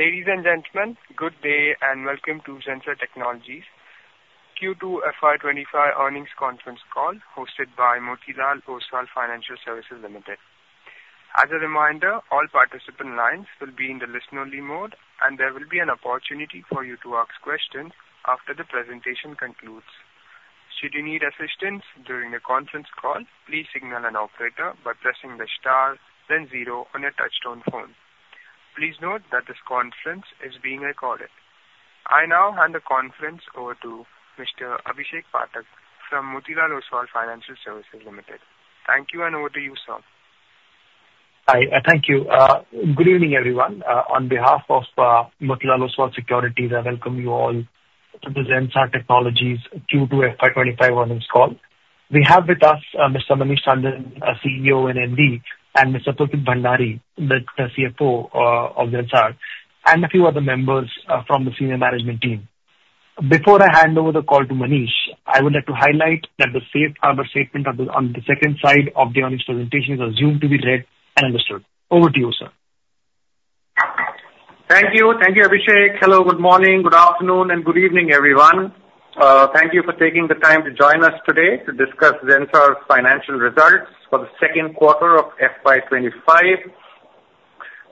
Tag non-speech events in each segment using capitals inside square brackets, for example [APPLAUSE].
Ladies and gentlemen, good day, and welcome to Zensar Technologies Q2 FY 2025 earnings conference call, hosted by Motilal Oswal Financial Services Limited. As a reminder, all participant lines will be in the listen-only mode, and there will be an opportunity for you to ask questions after the presentation concludes. Should you need assistance during the conference call, please signal an operator by pressing the star, then zero on your touchtone phone. Please note that this conference is being recorded. I now hand the conference over to Mr. Abhishek Pathak from Motilal Oswal Financial Services Limited. Thank you, and over to you, sir. Hi, and thank you. Good evening, everyone. On behalf of Motilal Oswal Securities, I welcome you all to the Zensar Technologies Q2 FY 2025 earnings call. We have with us Mr. Manish Tandon, our CEO and MD, and Mr. Pulkit Bhandari, the CFO of Zensar, and a few other members from the senior management team. Before I hand over the call to Manish, I would like to highlight that the safe harbor statement on the second side of the earnings presentation is assumed to be read and understood. Over to you, sir. Thank you. Thank you, Abhishek. Hello, good morning, good afternoon, and good evening, everyone. Thank you for taking the time to join us today to discuss Zensar's financial results for the second quarter of FY 2025.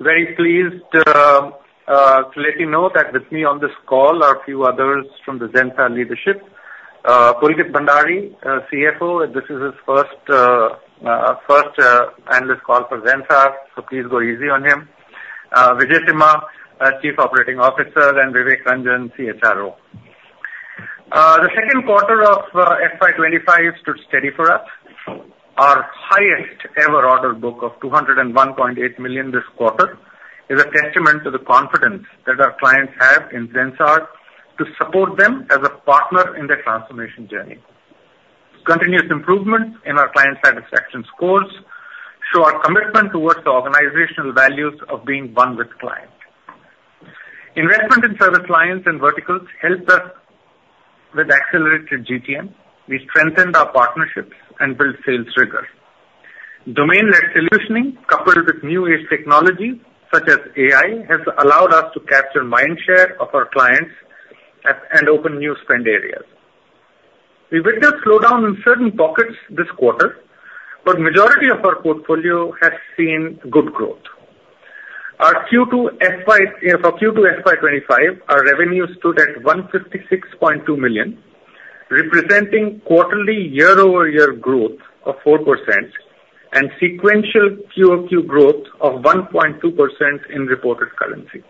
Very pleased to let you know that with me on this call are a few others from the Zensar leadership. Pulkit Bhandari, CFO, this is his first analyst call for Zensar, so please go easy on him. Vijayasimha, our Chief Operating Officer, and Vivek Ranjan, CHRO. The second quarter of FY 2025 stood steady for us. Our highest ever order book of $201.8 million this quarter is a testament to the confidence that our clients have in Zensar to support them as a partner in their transformation journey. Continuous improvement in our client satisfaction scores show our commitment towards the organizational values of being one with client. Investment in service lines and verticals helped us with accelerated GTM. We strengthened our partnerships and built sales rigor. Domain-led solutioning, coupled with new age technology such as AI, has allowed us to capture mindshare of our clients at... and open new spend areas. We witnessed slowdown in certain pockets this quarter, but majority of our portfolio has seen good growth. For Q2 FY 2025, our revenue stood at $156.2 million, representing quarterly year-over-year growth of 4% and sequential QOQ growth of 1.2% in reported currency.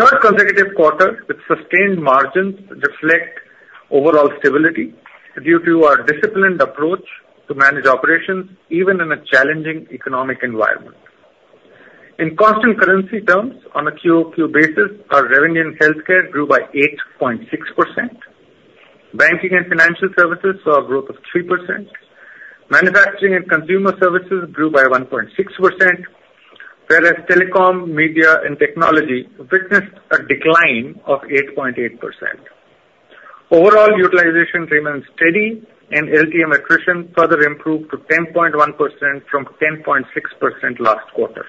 Third consecutive quarter with sustained margins reflect overall stability due to our disciplined approach to manage operations, even in a challenging economic environment. In constant currency terms, on a QOQ basis, our revenue in healthcare grew by 8.6%. Banking and financial services saw a growth of 3%. Manufacturing and consumer services grew by 1.6%, whereas telecom, media, and technology witnessed a decline of 8.8%. Overall utilization remains steady, and LTM attrition further improved to 10.1% from 10.6% last quarter.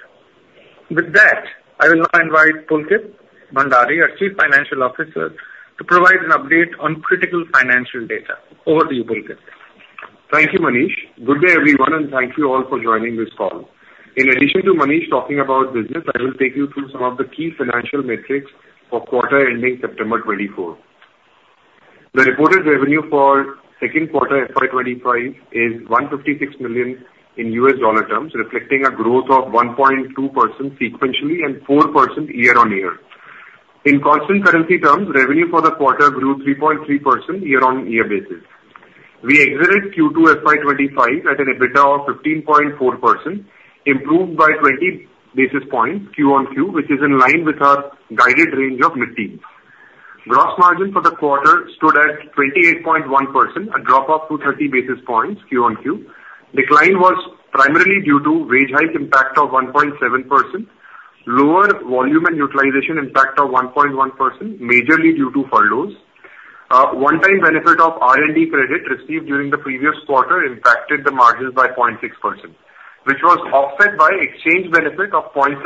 With that, I will now invite Pulkit Bhandari, our Chief Financial Officer, to provide an update on critical financial data. Over to you, Pulkit. Thank you, Manish. Good day, everyone, and thank you all for joining this call. In addition to Manish talking about business, I will take you through some of the key financial metrics for quarter ending September 2024. The reported revenue for second quarter FY 2025 is $156 million in US dollar terms, reflecting a growth of 1.2% sequentially and 4% year-on-year. In constant currency terms, revenue for the quarter grew 3.3% year-on-year basis. We exited Q2 FY 2025 at an EBITDA of 15.4%, improved by 20 basis points QOQ, which is in line with our guided range of mid-teen. Gross margin for the quarter stood at 28.1%, a drop-off to 30 basis points QOQ. Decline was primarily due to wage hike impact of 1.7%, lower volume and utilization impact of 1.1%, majorly due to furloughs. One-time benefit of R&D credit received during the previous quarter impacted the margins by 0.6%, which was offset by exchange benefit of 0.7%,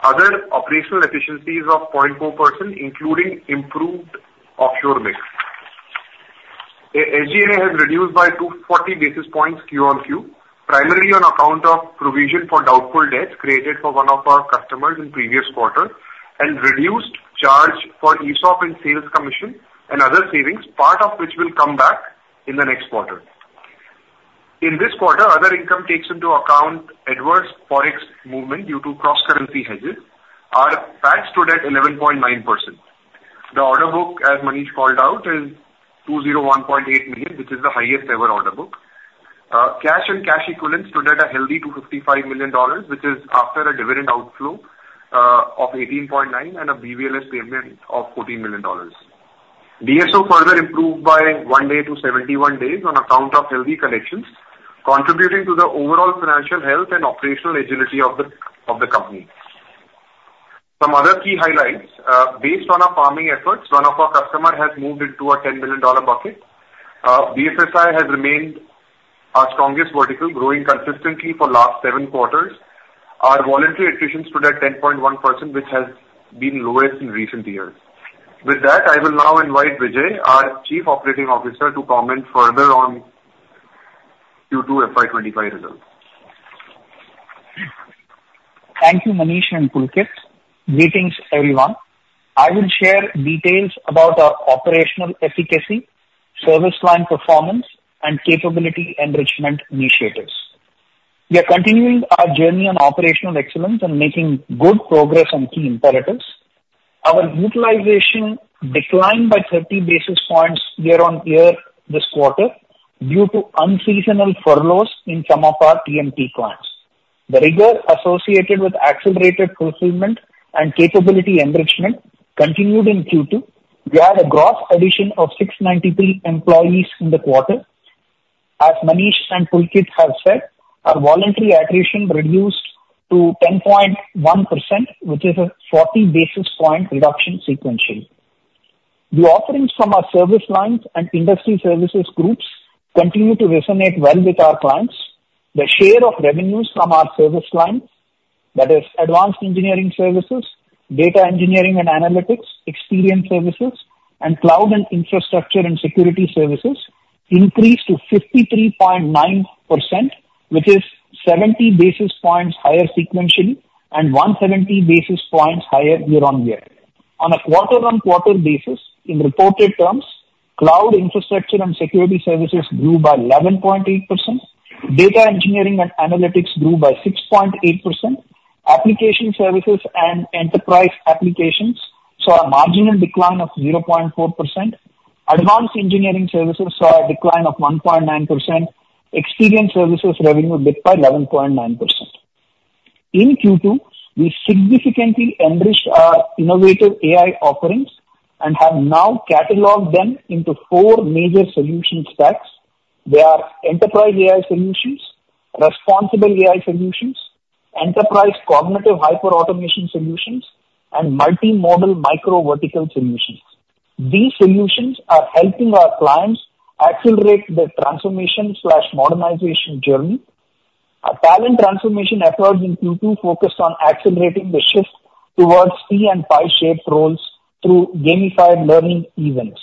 other operational efficiencies of 0.4%, including improved offshore mix. SG&A has reduced by 240 basis points QOQ, primarily on account of provision for doubtful debts created for one of our customers in previous quarter and reduced charge for ESOP and sales commission and other savings, part of which will come back in the next quarter. In this quarter, other income takes into account adverse Forex movement due to cross-currency hedges. Our PAT stood at 11.9%. The order book, as Manish called out, is $201.8 million, which is the highest ever order book. Cash and cash equivalents stood at a healthy $255 million, which is after a dividend outflow of $18.9 million and a BVLS payment of $14 million. DSO further improved by one day to 71 days on account of healthy collections, contributing to the overall financial health and operational agility of the company.... Some other key highlights, based on our farming efforts, one of our customer has moved into a $10 million bucket. BFSI has remained our strongest vertical, growing consistently for last seven quarters. Our voluntary attritions stood at 10.1%, which has been lowest in recent years. With that, I will now invite Vijay, our Chief Operating Officer, to comment further on Q2 FY 2025 results. Thank you, Manish and Pulkit. Greetings, everyone. I will share details about our operational efficacy, service line performance, and capability enrichment initiatives. We are continuing our journey on operational excellence and making good progress on key imperatives. Our utilization declined by thirty basis points year-on-year this quarter due to unseasonal furloughs in some of our TMT clients. The rigor associated with accelerated procurement and capability enrichment continued in Q2. We had a gross addition of 693 employees in the quarter. As Manish and Pulkit have said, our voluntary attrition reduced to 10.1%, which is a forty basis point reduction sequentially. The offerings from our service lines and industry services groups continue to resonate well with our clients. The share of revenues from our service lines, that is advanced engineering services, data engineering and analytics, experience services, and cloud and infrastructure and security services, increased to 53.9%, which is 70 basis points higher sequentially and 170 basis points higher year-on-year. On a quarter-on-quarter basis, in reported terms, cloud infrastructure and security services grew by 11.8%. Data engineering and analytics grew by 6.8%. Application services and enterprise applications saw a marginal decline of 0.4%. Advanced engineering services saw a decline of 1.9%. Experience services revenue dipped by 11.9%. In Q2, we significantly enriched our innovative AI offerings and have now cataloged them into four major solution stacks. They are enterprise AI solutions, responsible AI solutions, enterprise cognitive hyper automation solutions, and multi-modal micro vertical solutions. These solutions are helping our clients accelerate their transformation slash modernization journey. Our talent transformation efforts in Q2 focused on accelerating the shift towards T- and Pi-shaped roles through gamified learning events.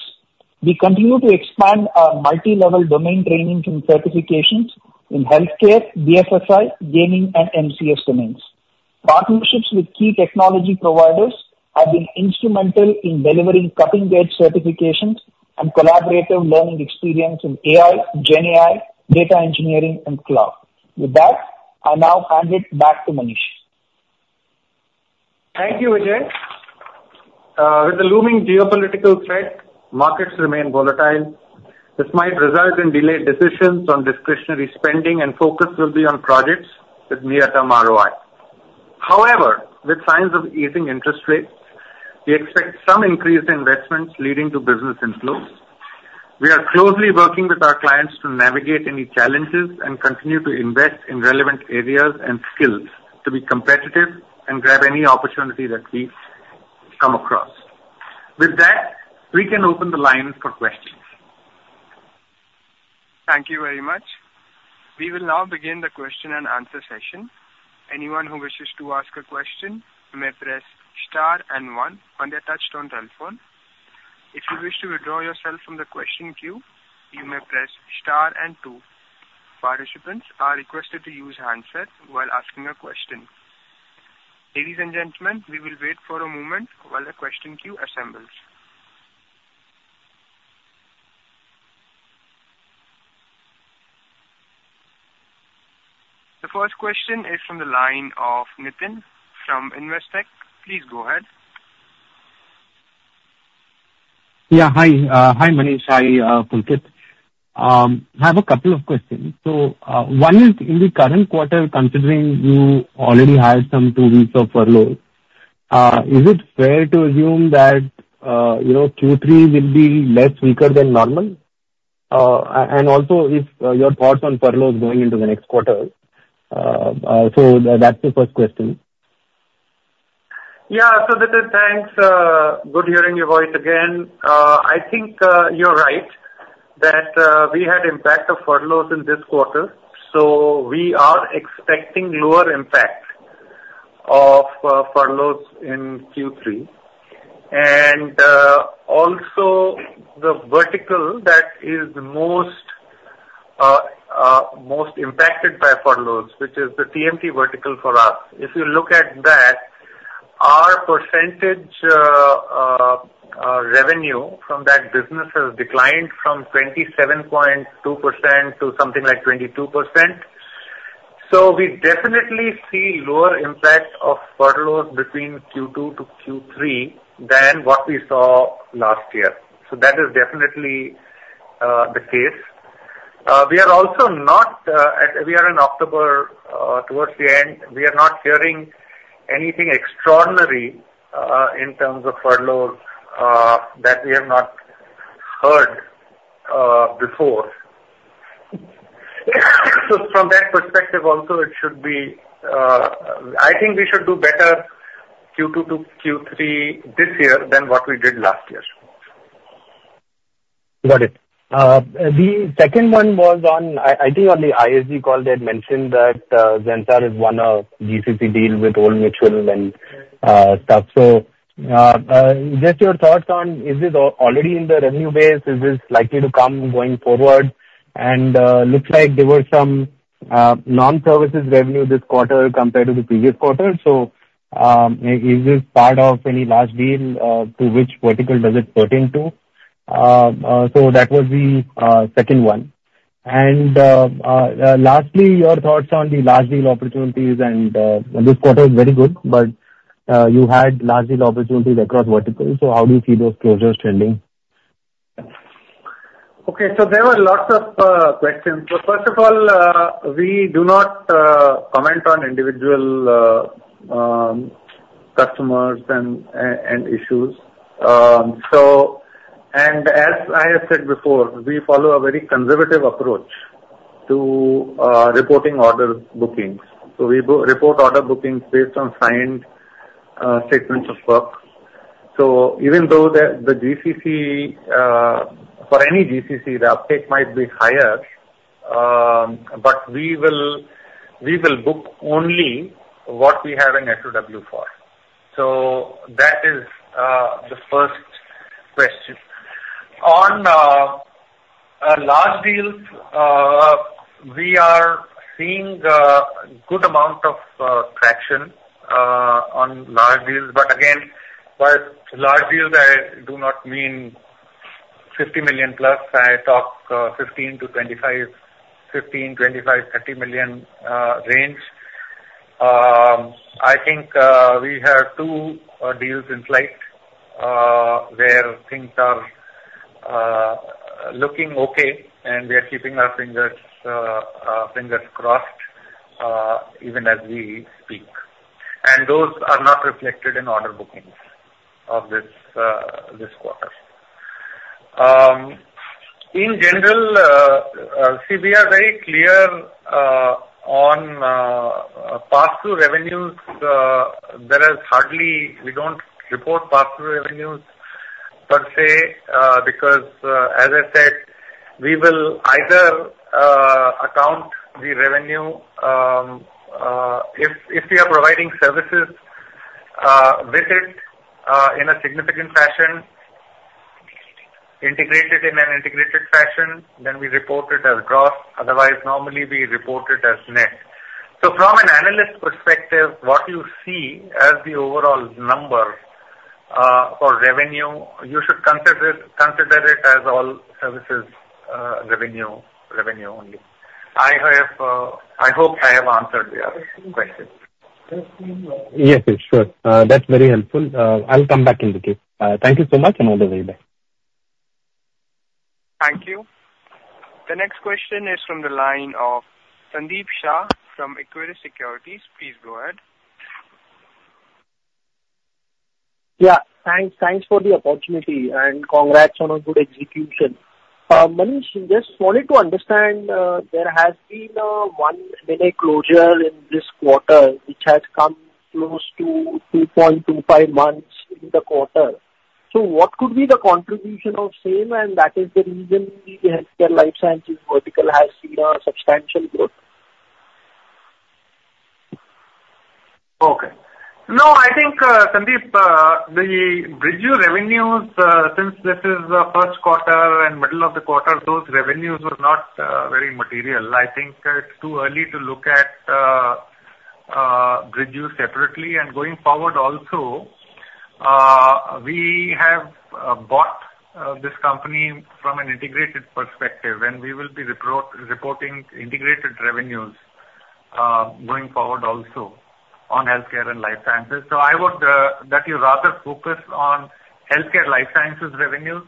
We continue to expand our multi-level domain training and certifications in healthcare, BFSI, gaming, and MCS domains. Partnerships with key technology providers have been instrumental in delivering cutting-edge certifications and collaborative learning experience in AI, GenAI, data engineering, and cloud. With that, I now hand it back to Manish. Thank you, Vijay. With the looming geopolitical threat, markets remain volatile. This might result in delayed decisions on discretionary spending, and focus will be on projects with near-term ROI. However, with signs of easing interest rates, we expect some increased investments leading to business inflows. We are closely working with our clients to navigate any challenges and continue to invest in relevant areas and skills to be competitive and grab any opportunity that we come across. With that, we can open the lines for questions. Thank you very much. We will now begin the question-and-answer session. Anyone who wishes to ask a question may press star and one on their touchtone telephone. If you wish to withdraw yourself from the question queue, you may press star and two. Participants are requested to use handset while asking a question. Ladies and gentlemen, we will wait for a moment while the question queue assembles. The first question is from the line of Nitin from Investec. Please go ahead. Yeah. Hi. Hi, Manish. Hi, Pulkit. I have a couple of questions. So, one is: in the current quarter, considering you already had some two weeks of furloughs, is it fair to assume that, you know, Q3 will be less weaker than normal? And also, if your thoughts on furloughs going into the next quarter. So that's the first question. Yeah. So Nitin, thanks. Good hearing your voice again. I think, you're right, that, we had impact of furloughs in this quarter, so we are expecting lower impact of, furloughs in Q3. And, also the vertical that is the most, most impacted by furloughs, which is the TMT vertical for us. If you look at that, our percentage, revenue from that business has declined from 27.2% to something like 22%. So we definitely see lower impact of furloughs between Q2 to Q3 than what we saw last year. So that is definitely, the case. We are also not, we are in October, towards the end. We are not hearing anything extraordinary, in terms of furloughs, that we have not heard, before. So from that perspective also, it should be, I think we should do better Q2 to Q3 this year than what we did last year. Got it. The second one was on, I think on the ISG call. They had mentioned that, Zensar is one of GCC deal with Old Mutual and, stuff. So, just your thoughts on is this already in the revenue base? Is this likely to come going forward? And, looks like there were some, non-services revenue this quarter compared to the previous quarter. So, is this part of any large deal, to which vertical does it pertain to? So that was the, second one. And, lastly, your thoughts on the large deal opportunities and, this quarter is very good, but, you had large deal opportunities across verticals, so how do you see those closures trending? Okay, so there were lots of questions. First of all, we do not comment on individual customers and issues, and as I have said before, we follow a very conservative approach to reporting order bookings. We report order bookings based on signed statements of work. Even though the GCC for any GCC, the uptake might be higher, but we will book only what we have an SOW for. That is the first question. On large deals, we are seeing good amount of traction on large deals. But again, by large deals, I do not mean 50 million plus. I talk 15-30 million range. I think we have two deals in flight where things are looking okay, and we are keeping our fingers crossed even as we speak. And those are not reflected in order bookings of this quarter. In general, see, we are very clear on pass-through revenues. There is hardly. We don't report pass-through revenues per se, because as I said, we will either account the revenue if we are providing services with it in a significant fashion, integrated in an integrated fashion, then we report it as gross. Otherwise, normally, we report it as net. So from an analyst perspective, what you see as the overall number for revenue, you should consider it as all services revenue only. I hope I have answered your question. Yes, sure. That's very helpful. I'll come back in the case. Thank you so much, and have a very good day. Thank you. The next question is from the line of Sandeep Shah from Equirus Securities. Please go ahead. Yeah, thanks, thanks for the opportunity, and congrats on a good execution. Manish, just wanted to understand, there has been one mini closure in this quarter, which has come close to two point two five months in the quarter. So what could be the contribution of same, and that is the reason the Healthcare Life Sciences vertical has seen a substantial growth? Okay. No, I think Sandeep, the BridgeView revenues, since this is the first quarter and middle of the quarter, those revenues were not very material. I think it's too early to look at BridgeView separately, and going forward also, we have bought this company from an integrated perspective, and we will be reporting integrated revenues, going forward also on healthcare and life sciences, so I would that you rather focus on healthcare life sciences revenues,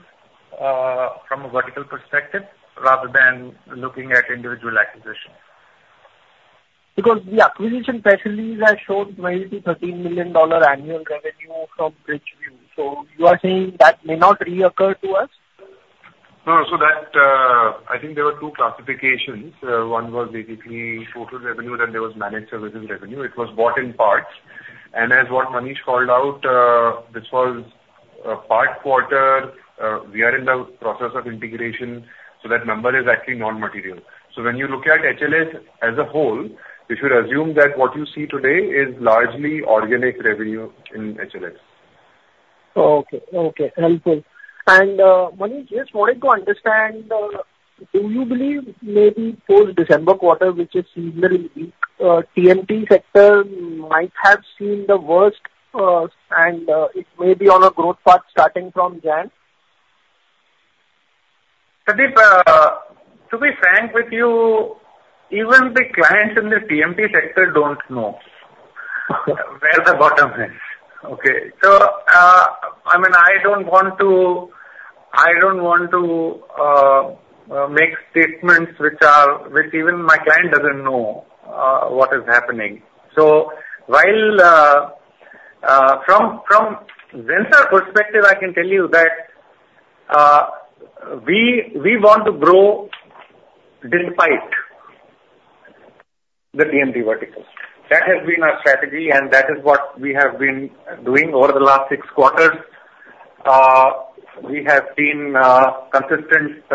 from a vertical perspective, rather than looking at individual acquisitions. Because the acquisition specialties have shown maybe $13 million annual revenue from BridgeView. So you are saying that may not reoccur to us? No, so that I think there were two classifications. One was basically total revenue, then there was managed services revenue. It was bought in parts, and as what Manish called out, this was a part quarter. We are in the process of integration, so that number is actually non-material, so when you look at HLS as a whole, you should assume that what you see today is largely organic revenue in HLS. Okay. Okay, helpful. And, Manish, just wanted to understand, do you believe maybe post-December quarter, which is seasonal in the TMT sector, might have seen the worst, and it may be on a growth path starting from January? Sandeep, to be frank with you, even the clients in the TMT sector don't know where the bottom is. Okay, so, I mean, I don't want to make statements which even my client doesn't know what is happening. So while from Zensar perspective, I can tell you that we want to grow despite the TMT vertical. That has been our strategy, and that is what we have been doing over the last six quarters. We have seen consistent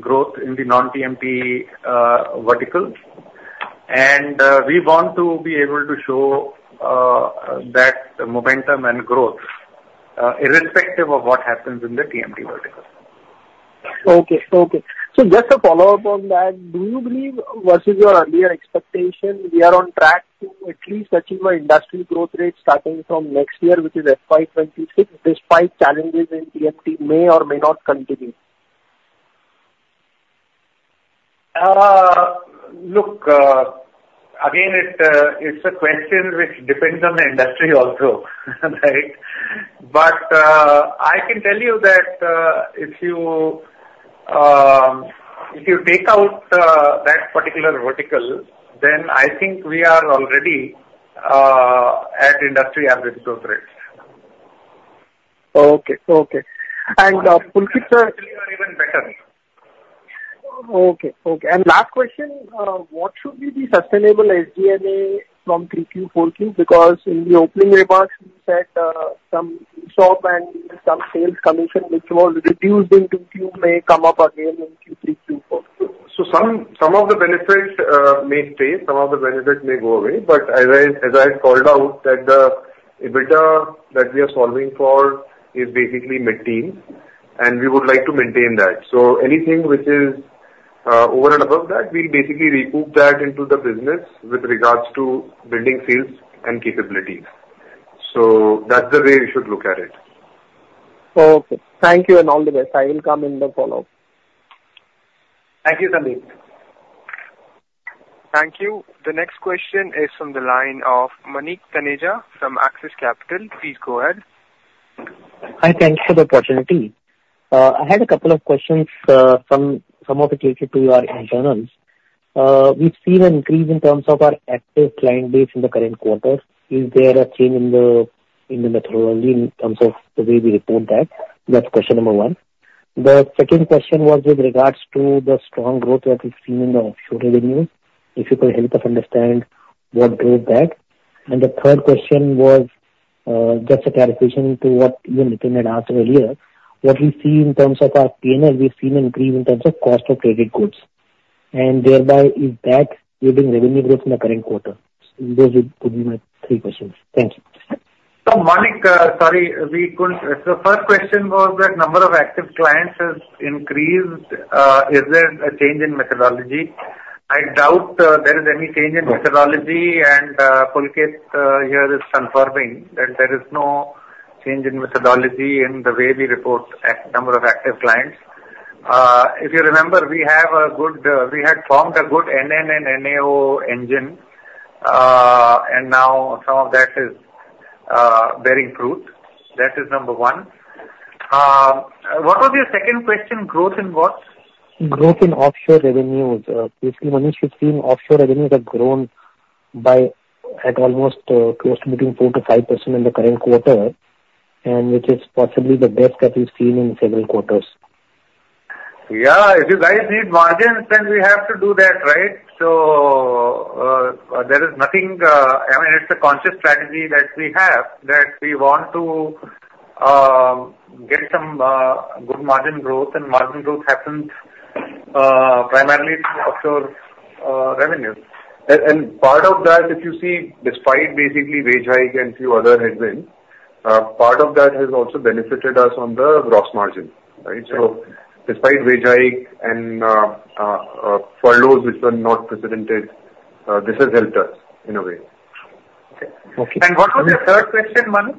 growth in the non-TMT vertical. And we want to be able to show that momentum and growth irrespective of what happens in the TMT vertical. So just a follow-up on that, do you believe, versus your earlier expectation, we are on track to at least achieve our industry growth rate starting from next year, which is FY 2026, despite challenges in TMT may or may not continue? Look, again, it's a question which depends on the industry also, right? But, I can tell you that, if you take out that particular vertical, then I think we are already at industry average growth rates. Okay. And, Pulkit- [CROSSTALK] Actually, we are even better. Okay. Okay. And last question, what should be the sustainable SG&A from three Q, four Q? Because in the opening remarks, you said, some sales commission, which was reduced in two Q, may come up again in Q3, Q4. So some of the benefits may stay, some of the benefits may go away. But as I had called out, that the EBITDA that we are solving for is basically mid-teen, and we would like to maintain that. So anything which is over and above that, we basically recoup that into the business with regards to building sales and capabilities. So that's the way you should look at it. Okay. Thank you, and all the best. I will come in the follow-up. Thank you, Samir. Thank you. The next question is from the line of Manik Taneja from Axis Capital. Please go ahead. Hi, thank you for the opportunity. I had a couple of questions, some of it related to your internals. We've seen an increase in terms of our active client base in the current quarter. Is there a change in the methodology in terms of the way we report that? That's question number one. The second question was with regards to the strong growth that we've seen in the offshore revenues. If you could help us understand what drove that. The third question was just a clarification to what Nithin had asked earlier. What we see in terms of our P&L, we've seen an increase in terms of cost of traded goods, and thereby, is that driving revenue growth in the current quarter? Those would be my three questions. Thank you. Manik, sorry, we couldn't. The first question was that number of active clients has increased. Is there a change in methodology? I doubt there is any change in methodology, and Pulkit here is confirming that there is no change in methodology in the way we report number of active clients. If you remember, we had formed a good NN and NE engine, and now some of that is bearing fruit. That is number one. What was your second question, growth in what? Growth in offshore revenues. Basically, Manish, we've seen offshore revenues have grown by, at almost, close to between 4% to 5% in the current quarter, and which is possibly the best that we've seen in several quarters. Yeah, if you guys need margins, then we have to do that, right? So, there is nothing... I mean, it's a conscious strategy that we have, that we want to get some good margin growth, and margin growth happens primarily through offshore revenues. And part of that, if you see, despite basically wage hike and few other headwinds, part of that has also benefited us on the gross margin, right? So despite wage hike and furloughs which were not precedented, this has helped us in a way. Okay. What was your third question, Manik?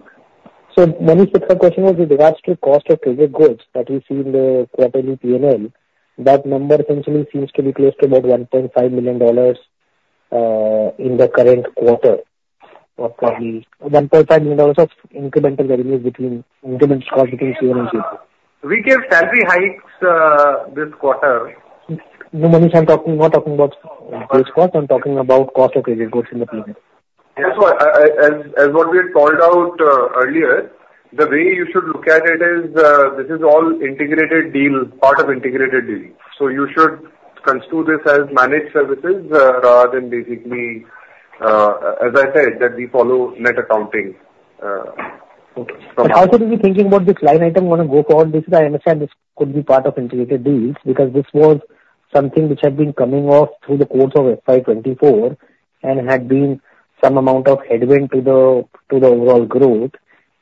So Manish, the third question was with regards to cost of traded goods that we see in the quarterly P&L. That number essentially seems to be close to about $1.5 million in the current quarter. Or sorry, $1.5 million of incremental revenue between, incremental cost between. [AUDIO DISTORTION] We gave salary hikes this quarter. No, Manish, I'm talking, not talking about wage costs. I'm talking about cost of traded goods in the P&L. That's why, as what we had called out earlier, the way you should look at it is, this is all integrated deal, part of integrated deal. So you should construe this as managed services, rather than basically, as I said, that we follow net accounting. Okay. But how should we be thinking about this line item going to go forward? Because I understand this could be part of integrated deals, because this was something which had been coming off through the course of FY 2024, and had been some amount of headwind to the overall growth.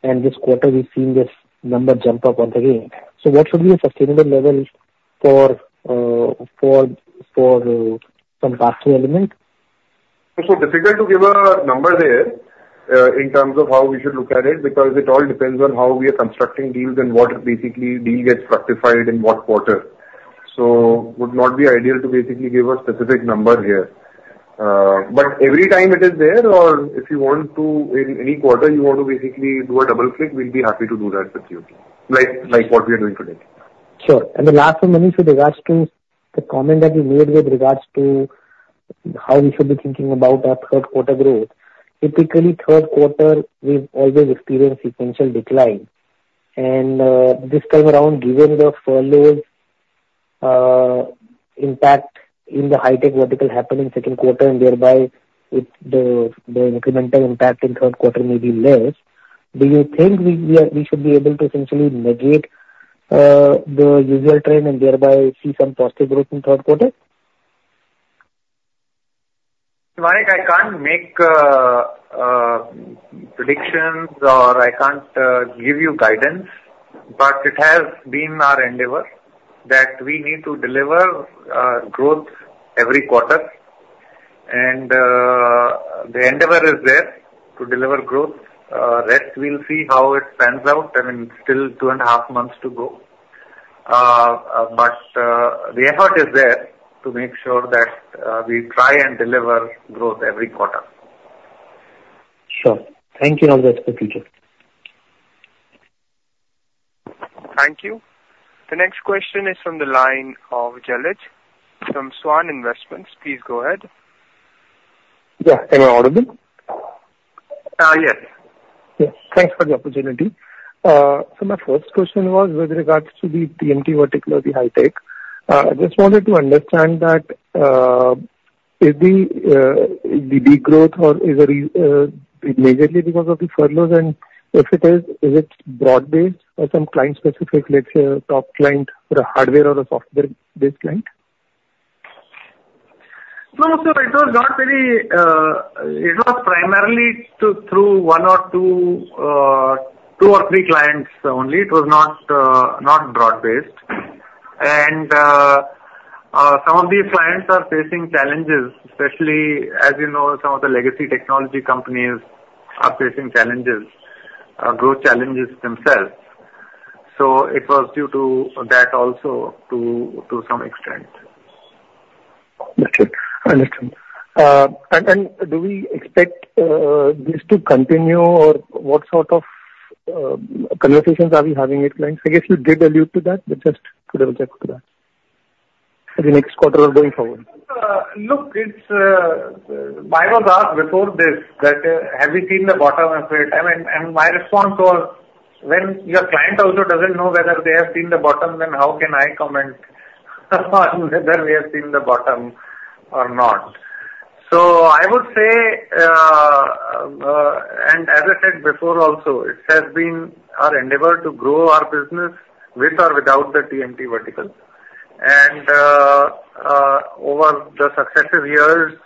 And this quarter, we've seen this number jump up once again. So what should be a sustainable level for comparative element? It's so difficult to give a number there, in terms of how we should look at it, because it all depends on how we are constructing deals and what basically deal gets structured in what quarter. So would not be ideal to basically give a specific number here. But every time it is there, or if you want to, in any quarter, you want to basically do a double click. We'll be happy to do that with you. Like, like what we are doing today. Sure. And the last one, Manish, with regards to the comment that you made with regards to how we should be thinking about our third quarter growth. Typically, third quarter, we've always experienced sequential decline. And this time around, given the furloughs impact in the high tech vertical happened in second quarter, and thereby the incremental impact in third quarter may be less. Do you think we should be able to essentially mitigate the usual trend and thereby see some positive growth in third quarter? Manik, I can't make predictions or I can't give you guidance, but it has been our endeavor that we need to deliver growth every quarter, and the endeavor is there to deliver growth. Rest, we'll see how it pans out. I mean, still two and a half months to go, but the effort is there to make sure that we try and deliver growth every quarter. Sure. Thank you, and I'll get back to you. Thank you. The next question is from the line of Jalaj, from Swan Investments. Please go ahead. Yeah. Am I audible? Uh, yes. Yes. Thanks for the opportunity. So my first question was with regards to the TMT vertical of the high tech. I just wanted to understand that, if the degrowth or is it majorly because of the furloughs? And if it is, is it broad-based or some client-specific, let's say, a top client or a hardware or a software-based client? No, so it was not very. It was primarily through one or two, two or three clients only. It was not broad-based, and some of these clients are facing challenges, especially as you know, some of the legacy technology companies are facing challenges, growth challenges themselves. It was due to that also to some extent. Got you. I understand. And do we expect this to continue, or what sort of conversations are we having with clients? I guess you did allude to that, but just to double-check to that for the next quarter or going forward. Look, it's. I was asked before this that, have we seen the bottom of it? I mean, and my response was, when your client also doesn't know whether they have seen the bottom, then how can I comment on whether we have seen the bottom or not? So I would say, and as I said before also, it has been our endeavor to grow our business with or without the TMT vertical. And, over the successive years,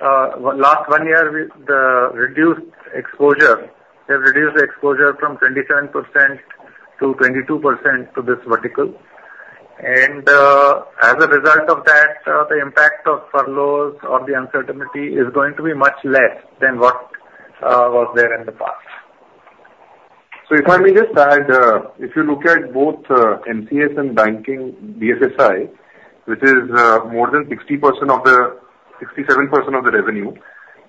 last one year, with the reduced exposure, we have reduced the exposure from 27% to 22% to this vertical. And, as a result of that, the impact of furloughs or the uncertainty is going to be much less than what was there in the past. So if I may just add, if you look at both MCS and banking BFSI, which is more than 60% of the... 67% of the revenue,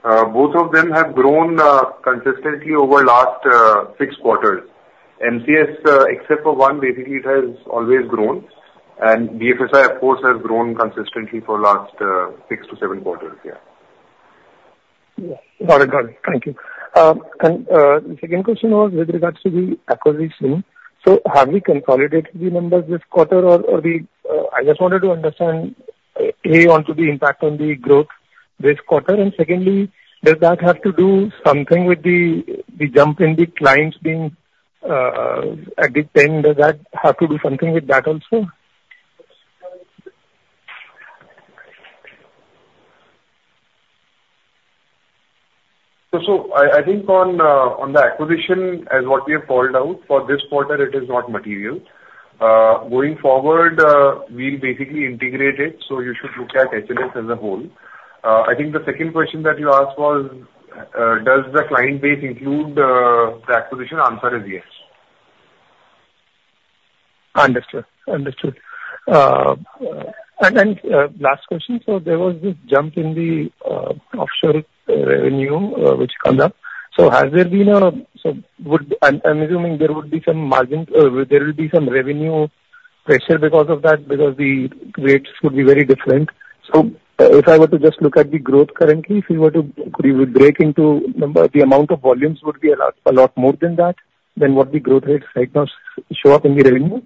both of them have grown consistently over last six quarters. MCS, except for one, basically, it has always grown. And BFSI, of course, has grown consistently for last six to seven quarters. Yeah. Yeah. Got it, got it. Thank you. And the second question was with regards to the acquisition. So have we consolidated the numbers this quarter? I just wanted to understand onto the impact on the growth this quarter. And secondly, does that have to do something with the jump in the clients being at the time? Does that have to do something with that also? I think on the acquisition, as what we have called out for this quarter, it is not material. Going forward, we'll basically integrate it, so you should look at HLS as a whole. I think the second question that you asked was, does the client base include the acquisition? Answer is yes. Understood. And last question: So there was this jump in the offshore revenue, which came up. So has there been a? I'm assuming there would be some margin. There will be some revenue freshers because of that, because the rates would be very different. So if I were to just look at the growth currently, if you were to, we would break into the amount of volumes would be a lot, a lot more than that, than what the growth rates right now show up in the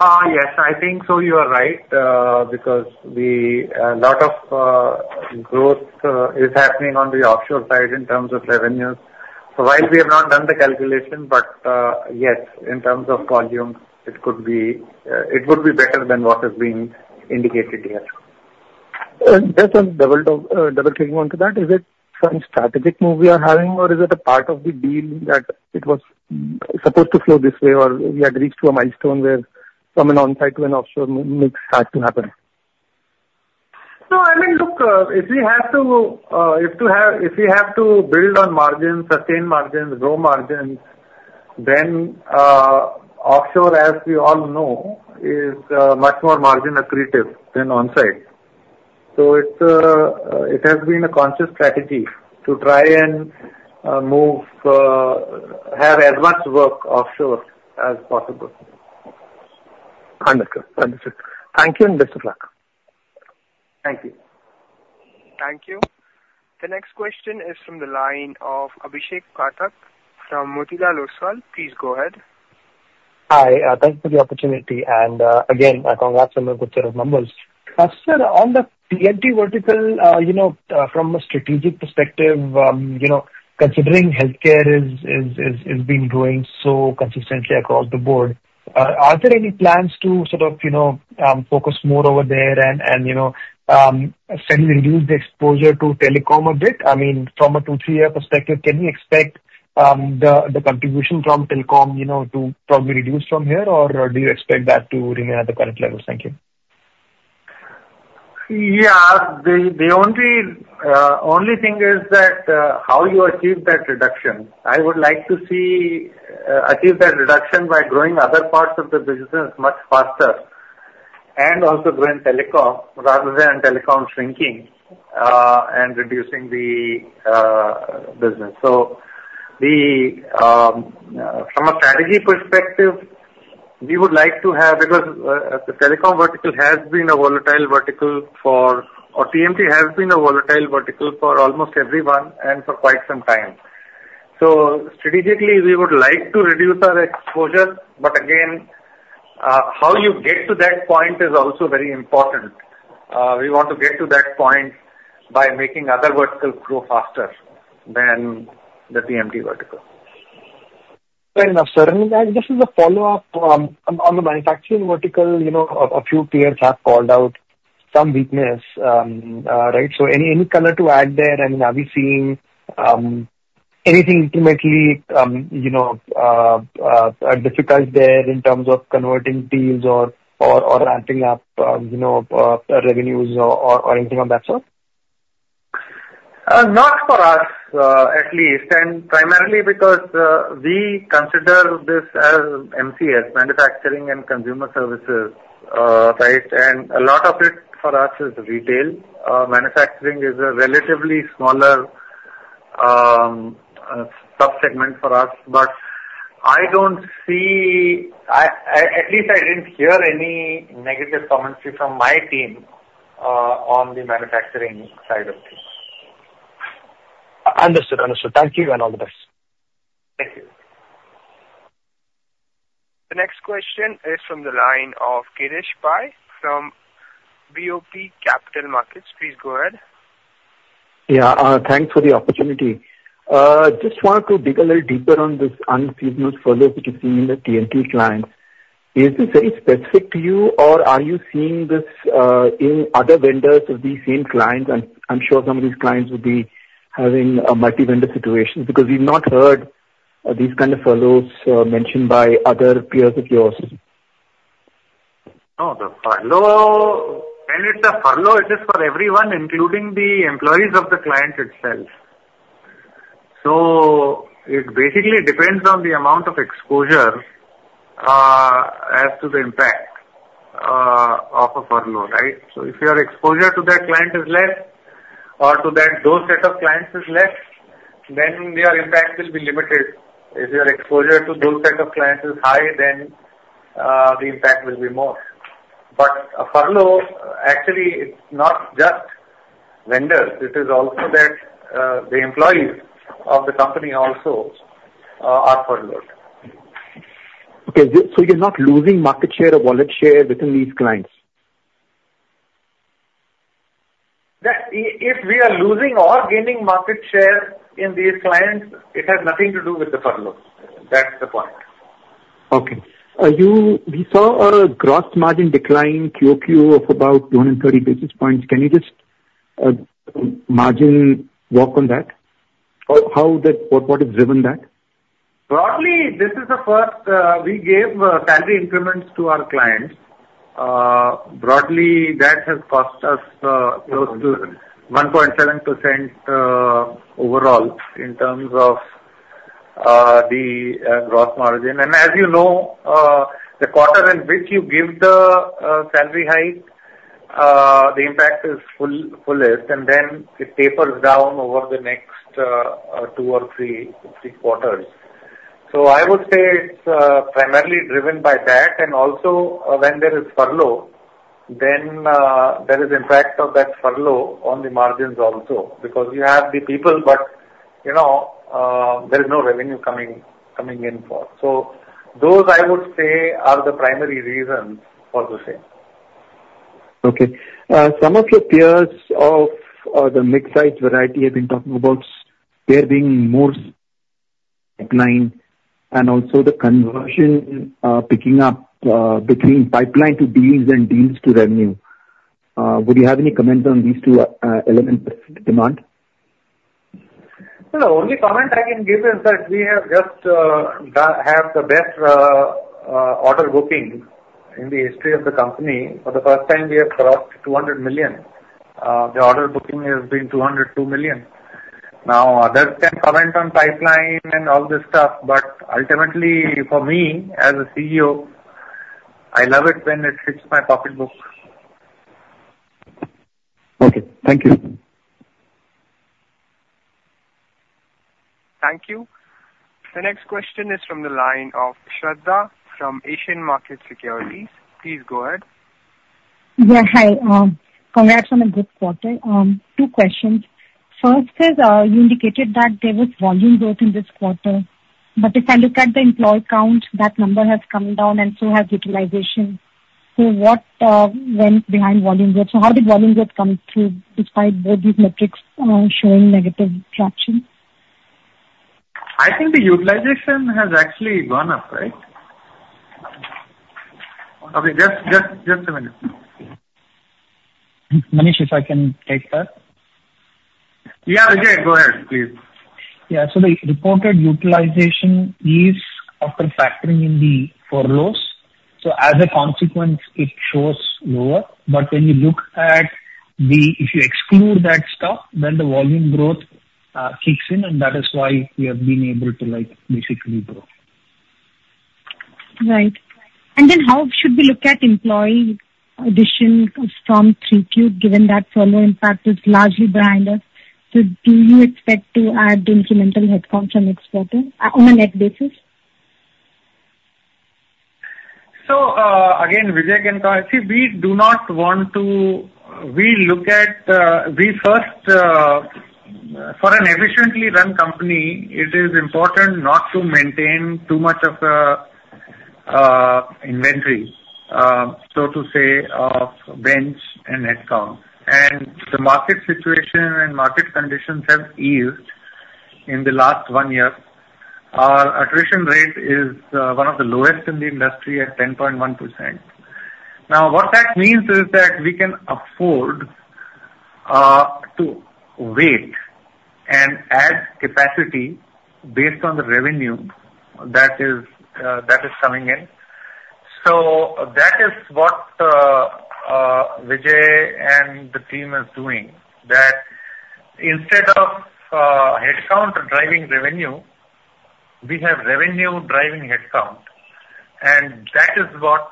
revenue? Yes, I think so. You are right, because we a lot of growth is happening on the offshore side in terms of revenues, so while we have not done the calculation, but yes, in terms of volume, it could be, it would be better than what has been indicated here. Just on double clicking onto that, is it some strategic move we are having, or is it a part of the deal that it was supposed to flow this way, or we had reached to a milestone where from an on-site to an offshore model had to happen? No, I mean, look, if we have to build on margins, sustain margins, grow margins, then offshore, as we all know, is much more margin accretive than on-site, so it has been a conscious strategy to try and have as much work offshore as possible. Understood. Understood. Thank you, and best of luck. Thank you. Thank you. The next question is from the line of Abhishek Pathak from Motilal Oswal. Please go ahead. Hi, thanks for the opportunity, and again, I congratulate you on the good set of numbers. Sir, on the TMT vertical, you know, from a strategic perspective, you know, considering healthcare has been growing so consistently across the board, are there any plans to sort of, you know, focus more over there and you know, certainly reduce the exposure to telecom a bit? I mean, from a two, three-year perspective, can we expect the contribution from telecom, you know, to probably reduce from here, or do you expect that to remain at the current levels? Thank you. Yeah. The only thing is that how you achieve that reduction. I would like to see achieve that reduction by growing other parts of the business much faster, and also grow in telecom, rather than telecom shrinking, and reducing the business, so from a strategy perspective, we would like to have... Because the telecom vertical has been a volatile vertical for, or TMT has been a volatile vertical for almost everyone and for quite some time, so strategically, we would like to reduce our exposure, but again, how you get to that point is also very important. We want to get to that point by making other verticals grow faster than the TMT vertical. Right. Now, sir, just as a follow-up on the manufacturing vertical, you know, a few peers have called out some weakness, right? So any color to add there, and are we seeing anything ultimately, you know, a difficult there in terms of converting deals or ramping up, you know, revenues or anything of that sort? Not for us, at least, and primarily because we consider this as MCS, manufacturing and consumer services, right? And a lot of it for us is retail. Manufacturing is a relatively smaller sub-segment for us, but I don't see. I at least didn't hear any negative comments from my team on the manufacturing side of things. Understood. Understood. Thank you, and all the best. Thank you. The next question is from the line of Girish Pai from BOB Capital Markets. Please go ahead. Yeah, thanks for the opportunity. Just wanted to dig a little deeper on this unforeseen furloughs which you've seen in the TMT clients. Is this very specific to you, or are you seeing this in other vendors of these same clients? I'm sure some of these clients would be having a multi-vendor situation, because we've not heard these kind of furloughs mentioned by other peers of yours. No, the furlough, when it's a furlough, it is for everyone, including the employees of the clients itself. So it basically depends on the amount of exposure, as to the impact, of a furlough, right? So if your exposure to that client is less, or to those set of clients is less, then your impact will be limited. If your exposure to those set of clients is high, then, the impact will be more. But a furlough, actually, it's not just vendors, it is also that, the employees of the company also, are furloughed. Okay. So you're not losing market share or wallet share within these clients? That if we are losing or gaining market share in these clients, it has nothing to do with the furloughs. That's the point. Okay. We saw a gross margin decline QOQ of about 230 basis points. Can you just margin walk on that? Or how that, what has driven that? Broadly, this is the first we gave salary increments to our clients. Broadly, that has cost us close to 1.7% overall, in terms of the gross margin. As you know, the quarter in which you give the salary hike, the impact is fullest, and then it tapers down over the next two or three quarters. I would say it's primarily driven by that, and also, when there is furlough, then there is impact of that furlough on the margins also, because you have the people, but you know, there is no revenue coming in for. Those, I would say, are the primary reasons for the same. Okay. Some of your peers of the mid-size variety have been talking about there being more decline, and also the conversion picking up between pipeline to deals and deals to revenue. Would you have any comments on these two elements of the demand? No, the only comment I can give is that we have just had the best order booking in the history of the company. For the first time, we have crossed 200 million. The order booking has been 202 million. Now, others can comment on pipeline and all this stuff, but ultimately for me, as a CEO, I love it when it hits my pocketbook. Okay. Thank you. Thank you. The next question is from the line of Shraddha from Asian Markets Securities. Please go ahead. Yeah, hi. Congrats on a good quarter. Two questions. First is, you indicated that there was volume growth in this quarter, but if I look at the employee count, that number has come down and so has utilization. So what went behind volume growth? So how did volume growth come through, despite both these metrics showing negative traction? I think the utilization has actually gone up, right? Okay, just a minute. Manish, if I can take that. Yeah, Vijay, go ahead, please. Yeah. So the reported utilization is after factoring in the furloughs, so as a consequence, it shows lower. But when you look at the, if you exclude that stuff, then the volume growth kicks in, and that is why we have been able to, like, basically grow. Right. And then, how should we look at employee addition from 3Cube, given that furlough impact is largely behind us? So do you expect to add incremental headcount from next quarter, on a net basis? So, again, Vijay, see, we do not want to. We look at. We first for an efficiently run company, it is important not to maintain too much of a inventory, so to say, of bench and headcount. And the market situation and market conditions have eased in the last one year. Our attrition rate is one of the lowest in the industry at 10.1%. Now, what that means is that we can afford to wait and add capacity based on the revenue that is coming in. So that is what Vijay and the team is doing. That instead of headcount driving revenue, we have revenue driving headcount, and that is what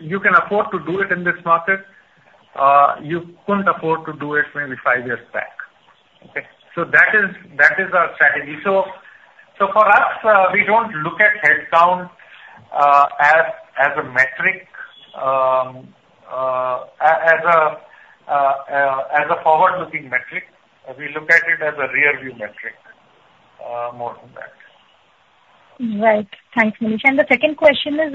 you can afford to do it in this market. You couldn't afford to do it maybe five years back. Okay? So that is our strategy. So for us, we don't look at headcount as a metric as a forward-looking metric. We look at it as a rear-view metric more than that. Right. Thanks, Manish. And the second question is,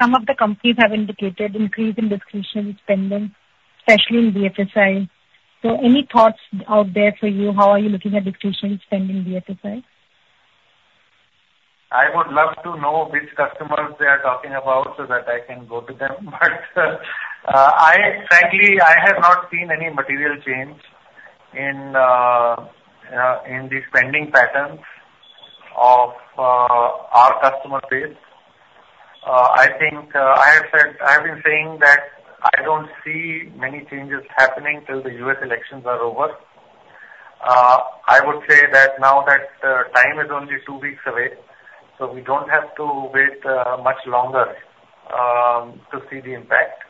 some of the companies have indicated increase in discretionary spending, especially in BFSI. So any thoughts out there for you? How are you looking at discretionary spend in BFSI? I would love to know which customers they are talking about so that I can go to them. But I frankly have not seen any material change in the spending patterns of our customer base. I think I have said. I have been saying that I don't see many changes happening till the U.S. elections are over. I would say that now that time is only two weeks away, so we don't have to wait much longer to see the impact.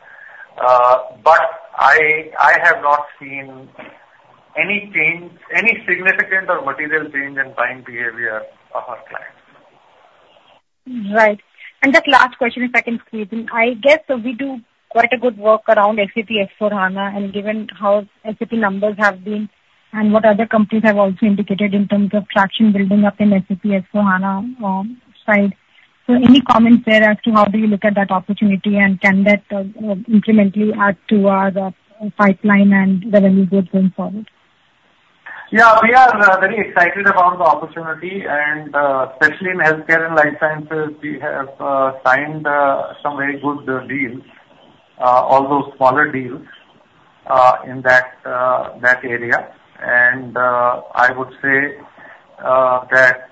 But I have not seen any change, any significant or material change in buying behavior of our clients. Right. And just last question, if I can squeeze in. I guess we do quite a good work around SAP S/4HANA, and given how SAP numbers have been and what other companies have also indicated in terms of traction building up in SAP S/4HANA side. So any comments there as to how do you look at that opportunity, and can that incrementally add to the pipeline and revenue growth going forward? Yeah, we are very excited about the opportunity, and especially in healthcare and life sciences, we have signed some very good deals, although smaller deals, in that area. And I would say that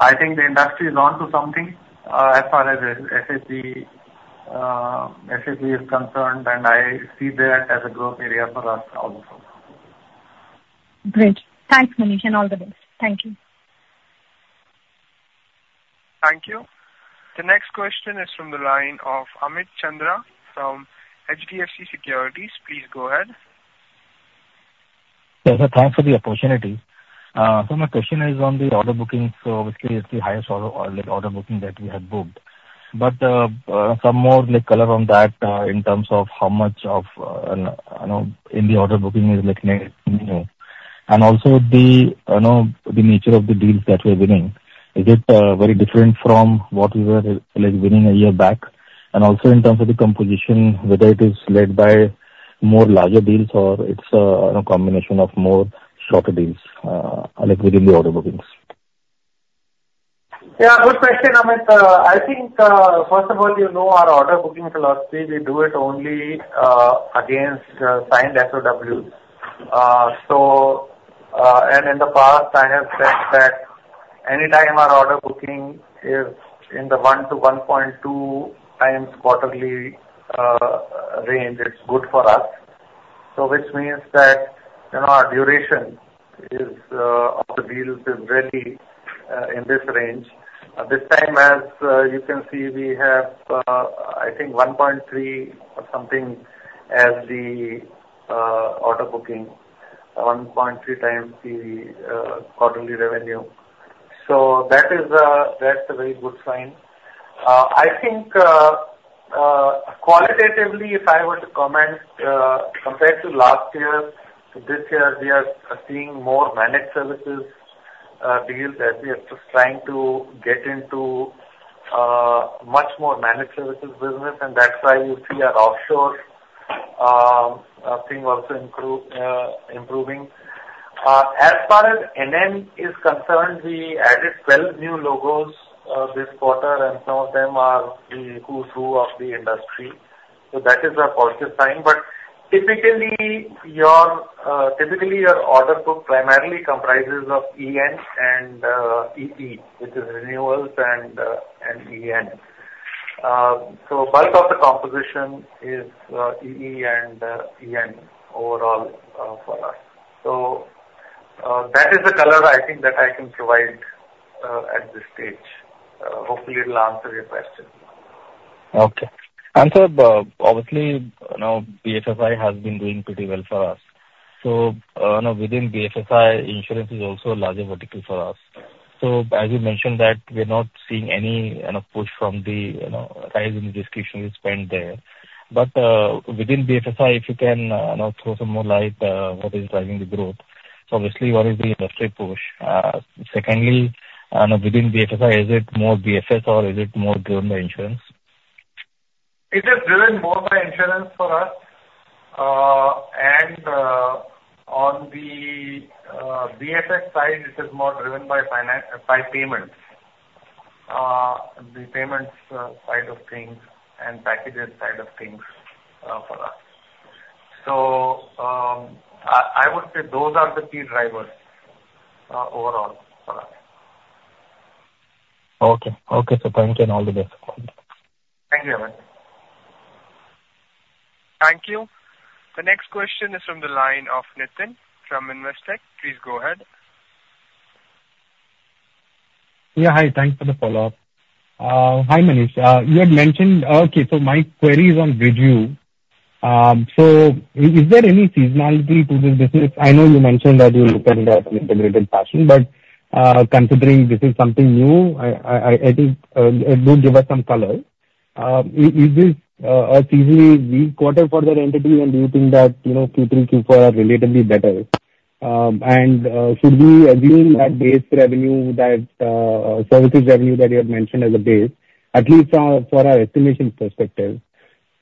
I think the industry is on to something, as far as SAP is concerned, and I see that as a growth area for us also. Great. Thanks, Manish, and all the best. Thank you. Thank you. The next question is from the line of Amit Chandra from HDFC Securities. Please go ahead. Yes, sir, thanks for the opportunity. So my question is on the order bookings. So obviously, it's the highest order booking that we have booked. But some more like color on that, in terms of how much of, you know, in the order booking is like negative? And also the, you know, the nature of the deals that we're winning, is it very different from what we were, like, winning a year back? And also in terms of the composition, whether it is led by more larger deals or it's a combination of more shorter deals, like within the order bookings. Yeah, good question, Amit. I think, first of all, you know, our order booking philosophy, we do it only against signed SOW. So, and in the past, I have said that anytime our order booking is in the 1 to 1.2 times quarterly range, it's good for us. So which means that, you know, our duration is of the deals is in this range. At this time, as you can see, we have, I think, 1.3 or something as the order booking. 1.3 times the quarterly revenue. So that is, that's a very good sign. I think, qualitatively, if I were to comment, compared to last year, this year we are seeing more managed services deals, as we are just trying to get into much more managed services business, and that's why you see our offshore thing also improving. As far as NN is concerned, we added 12 new logos this quarter, and some of them are the who's who of the industry, so that is a positive sign, but typically, your order book primarily comprises of EN and EE, which is renewals and EN, so bulk of the composition is EE and EN overall for us, so that is the color I think that I can provide at this stage. Hopefully, it'll answer your question. Okay. And so, obviously, you know, BFSI has been doing pretty well for us. So, within BFSI, insurance is also a larger vertical for us. So as you mentioned that we're not seeing any, you know, push from the, you know, rise in discretionary spend there. But, within BFSI, if you can, you know, throw some more light, what is driving the growth? So obviously, what is the industry push? Secondly, within BFSI, is it more BFS or is it more driven by insurance? It is driven more by insurance for us, and on the BFS side, it is more driven by finance, by payments, the payments side of things and packages side of things, for us, so I would say those are the key drivers, overall for us. Okay. Okay, sir. Thank you, and all the best. Thank you, Amit. Thank you. The next question is from the line of Nitin from Investec. Please go ahead. Yeah, hi, thanks for the follow-up. Hi, Manish. You had mentioned. Okay, so my query is on BridgeView. So is there any seasonality to this business? I know you mentioned that you look at it as an integrated fashion, but considering this is something new, it would give us some color. Is this a seasonally weak quarter for that entity, and do you think that, you know, Q3, Q4 are relatively better? And should we assume that base revenue, that services revenue that you have mentioned as a base, at least for our estimation perspective?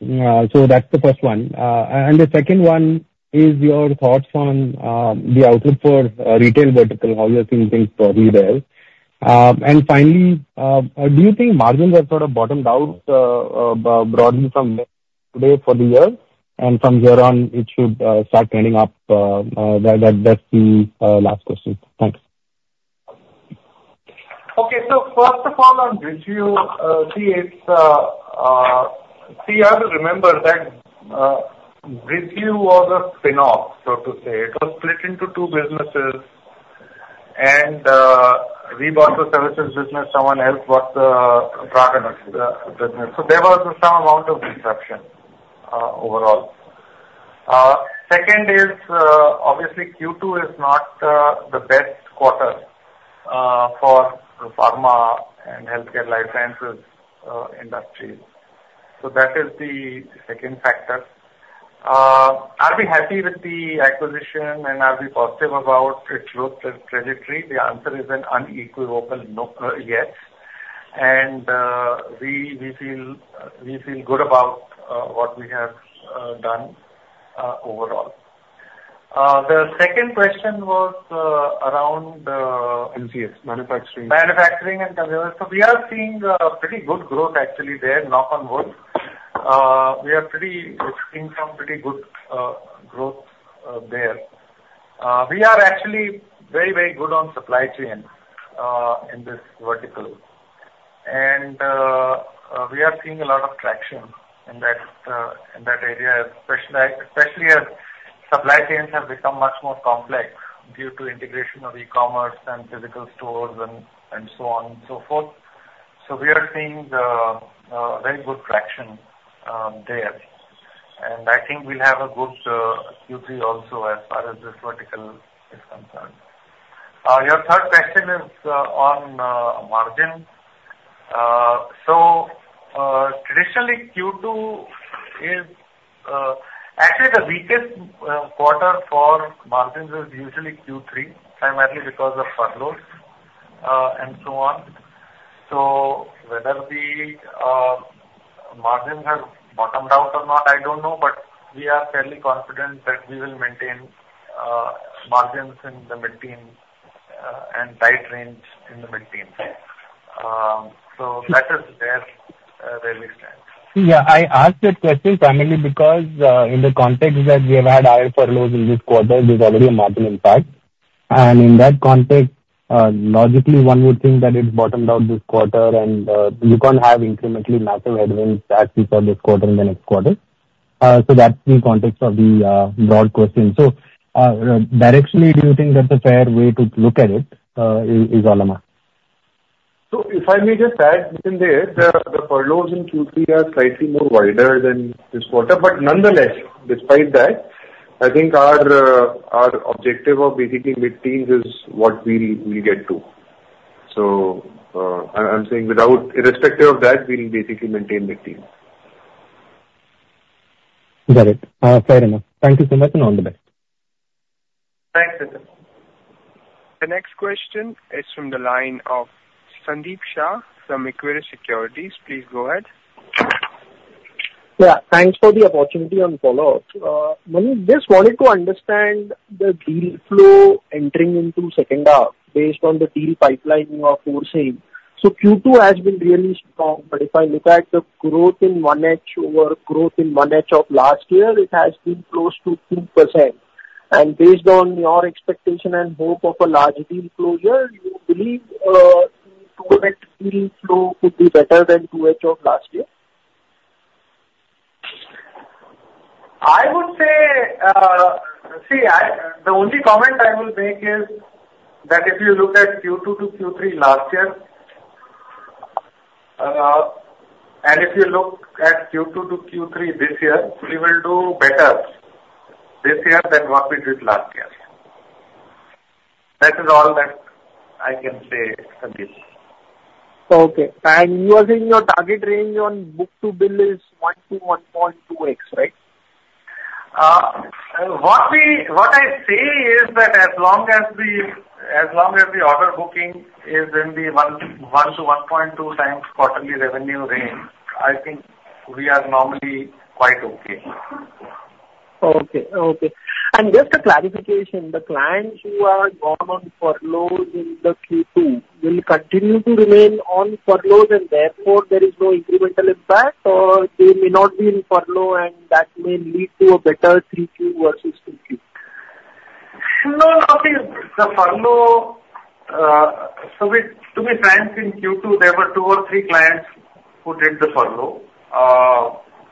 So that's the first one. And the second one is your thoughts on the outlook for retail vertical, how you're seeing things broadly there? And finally, do you think margins have sort of bottomed out, broadened from today for the year, and from here on, it should start trending up? That's the last question. Thanks. Okay, so first of all, on BridgeView, it's you have to remember that BridgeView was a spinoff, so to say. It was split into two businesses, and we bought the services business, someone else bought the product business. So there was some amount of disruption overall. Second is obviously Q2 is not the best quarter for pharma and healthcare life sciences industry. So that is the second factor. Are we happy with the acquisition and are we positive about its growth and trajectory? The answer is an unequivocal no, yes, and we feel good about what we have done overall. The second question was around NCS, manufacturing. [CROSSTALK] Manufacturing and commerce. So we are seeing pretty good growth actually there, knock on wood. We're seeing some pretty good growth there. We are actually very, very good on supply chain in this vertical. And we are seeing a lot of traction in that in that area, especially, especially as supply chains have become much more complex due to integration of e-commerce and physical stores and so on and so forth. So we are seeing very good traction there. And I think we'll have a good Q3 also, as far as this vertical is concerned. Your third question is on margin. So traditionally, Q2 is. Actually, the weakest quarter for margins is usually Q3, primarily because of furloughs and so on. So whether the margin has bottomed out or not, I don't know, but we are fairly confident that we will maintain margins in the mid-teen and tight range in the mid-teens. So that is where we stand. Yeah, I asked that question primarily because, in the context that we have had higher furloughs in this quarter, there's already a margin impact. And in that context, logically, one would think that it bottomed out this quarter, and, you can't have incrementally margin headwinds back before this quarter and the next quarter, so that's the context of the broad question. So, directionally, do you think that's a fair way to look at it, is all I'm asking? So if I may just add within there, the furloughs in Q3 are slightly more wider than this quarter. But nonetheless, despite that, I think our objective of basically mid-teens is what we'll get to. So, I'm saying irrespective of that, we'll basically maintain mid-teens. Got it. Fair enough. Thank you so much, and all the best. Thanks, Nitin. The next question is from the line of Sandeep Shah from Equirus Securities. Please go ahead. Yeah, thanks for the opportunity and follow-up. Manish, just wanted to understand the deal flow entering into second half based on the deal pipeline you are foreseeing. So Q2 has been really strong, but if I look at the growth in one H over growth in one H of last year, it has been close to 2%. And based on your expectation and hope of a large deal closure, do you believe total deal flow could be better than two H of last year? I would say, the only comment I will make is that if you look at Q2 to Q3 last year, and if you look at Q2 to Q3 this year, we will do better this year than what we did last year. That is all that I can say, Sandeep. Okay. And you are saying your target range on book-to-bill is 1 to 1.2x, right? What I say is that as long as the order booking is in the 1 to 1.2 times quarterly revenue range, I think we are normally quite okay. Okay, okay. And just a clarification, the clients who are gone on furloughs in the Q2 will continue to remain on furloughs, and therefore there is no incremental impact, or they may not be in furlough and that may lead to a better three Q versus two Q? No, no, the furlough, so to be frank, in Q2, there were two or three clients who did the furlough.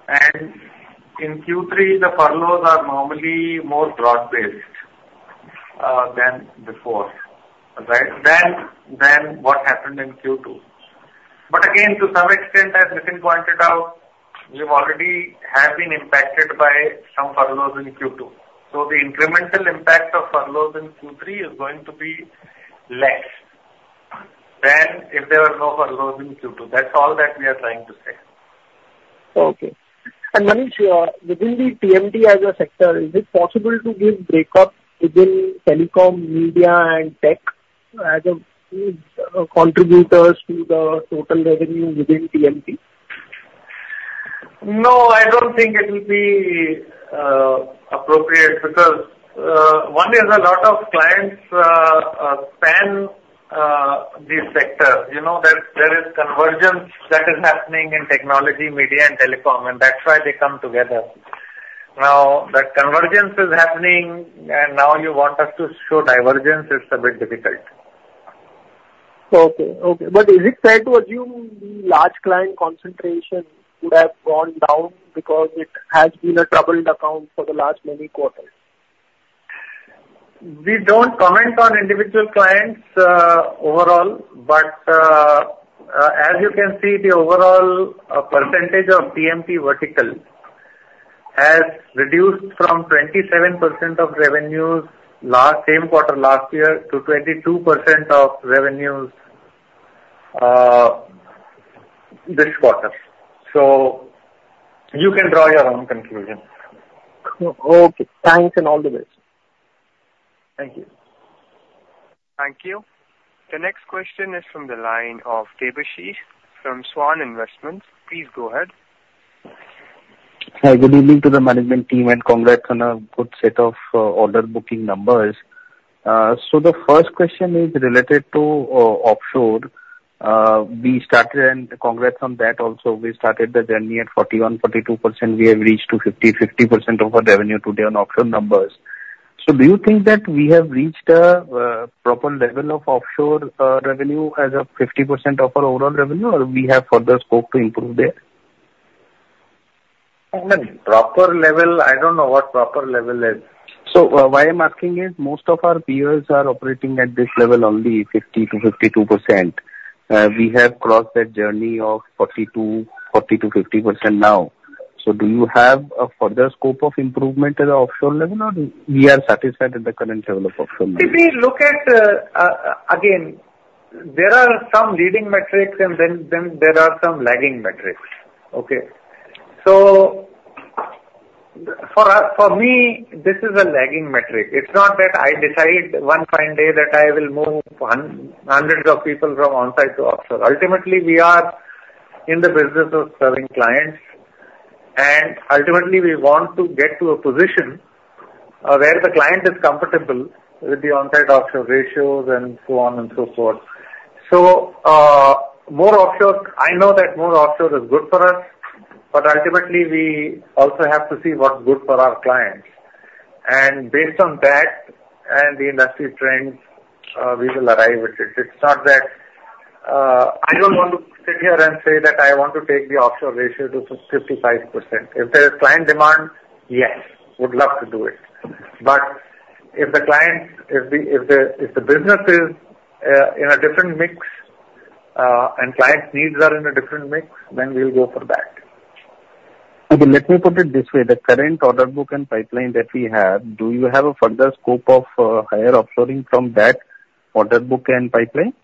And in Q3, the furloughs are normally more broad-based than before, right? Than what happened in Q2. But again, to some extent, as Nitin pointed out, we already have been impacted by some furloughs in Q2. So the incremental impact of furloughs in Q3 is going to be less than if there were no furloughs in Q2. That's all that we are trying to say. Okay. And Manish, within the TMT as a sector, is it possible to give breakup within telecom, media, and tech as of contributors to the total revenue within TMT? No, I don't think it will be appropriate, because one is a lot of clients span these sectors. You know, there is convergence that is happening in technology, media, and telecom, and that's why they come together. Now, that convergence is happening, and now you want us to show divergence, it's a bit difficult. Okay, okay, but is it fair to assume the large client concentration would have gone down because it has been a troubled account for the last many quarters? We don't comment on individual clients, overall, but as you can see, the overall percentage of TMT vertical has reduced from 27% of revenues same quarter last year to 22% of revenues this quarter, so you can draw your own conclusions. Okay, thanks, and all the best. Thank you. Thank you. The next question is from the line of Debashis from Swan Investments. Please go ahead. Hi, good evening to the management team, and congrats on a good set of order booking numbers. So the first question is related to offshore. We started, and congrats on that also. We started the journey at 41-42%. We have reached to 50% of our revenue today on offshore numbers. So do you think that we have reached a proper level of offshore revenue as of 50% of our overall revenue, or we have further scope to improve there? I mean, proper level. I don't know what proper level is. Why I'm asking is most of our peers are operating at this level, only 50-52%. We have crossed that journey of 40-50% now. Do you have a further scope of improvement at the offshore level, or are we satisfied with the current level of offshore? If we look at, again, there are some leading metrics and then there are some lagging metrics. Okay? So for us, for me, this is a lagging metric. It's not that I decide one fine day that I will move hundreds of people from on-site to offshore. Ultimately, we are in the business of serving clients, and ultimately we want to get to a position, where the client is comfortable with the on-site offshore ratios and so on and so forth. So, more offshore, I know that more offshore is good for us, but ultimately we also have to see what's good for our clients, and based on that and the industry trends, we will arrive at it. It's not that, I don't want to sit here and say that I want to take the offshore ratio to 55%. If there is client demand, yes, would love to do it. But if the client, if the business is in a different mix, and client needs are in a different mix, then we'll go for that. Okay, let me put it this way: the current order book and pipeline that we have, do you have a further scope of higher offshoring from that order book and pipeline?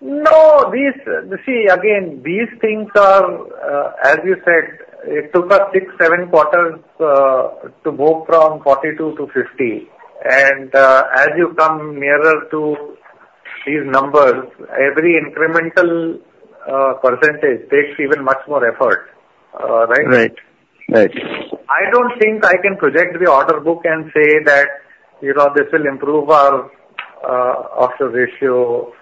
No. These, see, again, these things are, as you said, it took us six, seven quarters to go from 42 to 50, and as you come nearer to these numbers, every incremental % takes even much more effort. Right? Right. Right. I don't think I can project the order book and say that, you know, this will improve our offshore ratio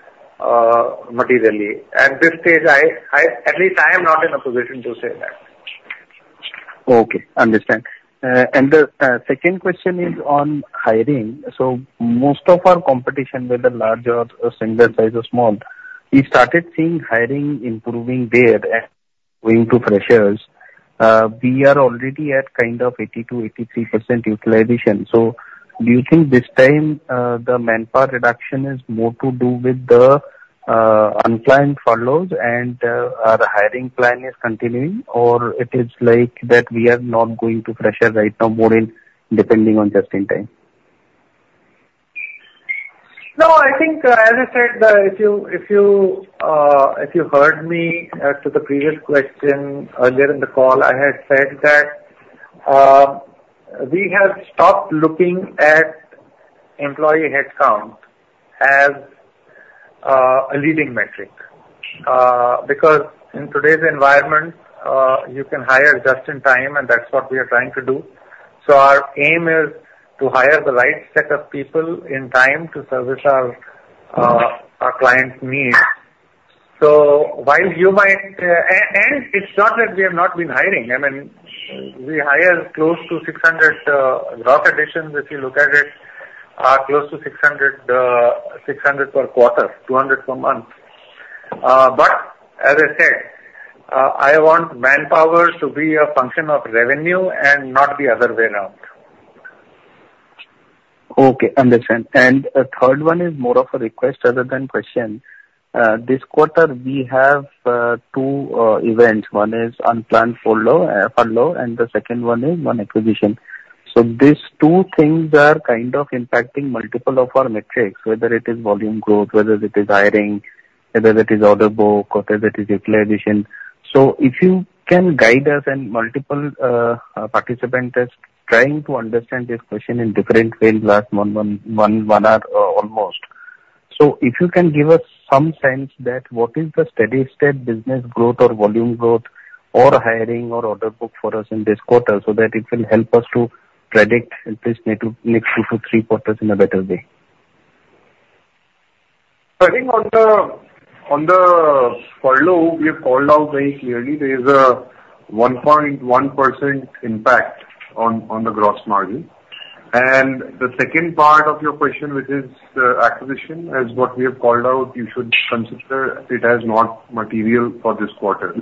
materially. At this stage, at least I am not in a position to say that. Okay, understand. And the second question is on hiring. So most of our competition, whether large or similar size or small, we started seeing hiring improving there and going to freshers. We are already at kind of 80%-83% utilization. So do you think this time, the manpower reduction is more to do with the unplanned furloughs and our hiring plan is continuing? Or it is like that we are not going to pressure right now, more in depending on just in time? No, I think, as I said, if you heard me to the previous question earlier in the call, I had said that we have stopped looking at employee headcount as a leading metric. Because in today's environment, you can hire just in time, and that's what we are trying to do. So our aim is to hire the right set of people in time to service our clients' needs. So while you might... And it's not that we have not been hiring, I mean, we hire close to 600 gross additions, if you look at it, are close to 600 per quarter, 200 per month. But as I said, I want manpower to be a function of revenue and not the other way around. Okay, understand. And a third one is more of a request rather than question. This quarter we have two events. One is unplanned furlough, and the second one is one acquisition. So these two things are kind of impacting multiple of our metrics, whether it is volume growth, whether it is hiring, whether it is order book, whether it is utilization. So if you can guide us, and multiple participant is trying to understand this question in different ways, last one hour, almost. So if you can give us some sense that what is the steady state business growth or volume growth or hiring or order book for us in this quarter, so that it will help us to predict at least next two to three quarters in a better way. I think on the furlough, we have called out very clearly there is a 1.1% impact on the gross margin. And the second part of your question, which is the acquisition, as what we have called out, you should consider it as not material for this quarter,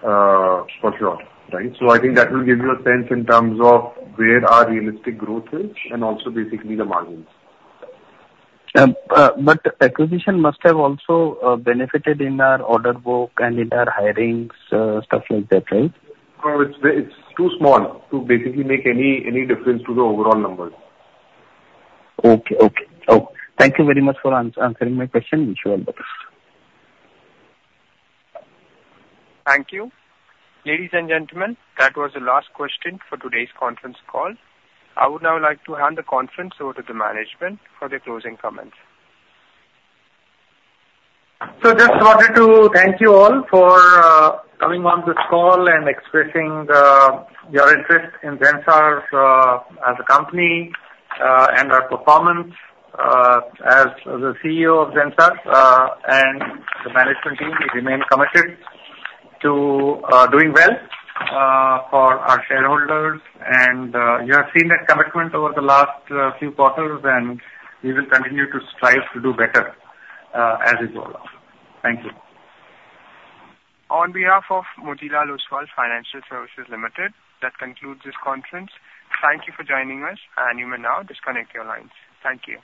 for sure, right? So I think that will give you a sense in terms of where our realistic growth is and also basically the margins. But acquisition must have also benefited in our order book and in our hirings, stuff like that, right? No, it's too small to basically make any difference to the overall numbers. Okay. Oh, thank you very much for answering my question. Wish you all the best. Thank you. Ladies and gentlemen, that was the last question for today's conference call. I would now like to hand the conference over to the management for their closing comments. So just wanted to thank you all for coming on this call and expressing your interest in Zensar as a company and our performance. As the CEO of Zensar and the management team, we remain committed to doing well for our shareholders. And you have seen that commitment over the last few quarters, and we will continue to strive to do better as we go along. Thank you. On behalf of Motilal Oswal Financial Services Limited, that concludes this conference. Thank you for joining us, and you may now disconnect your lines. Thank you.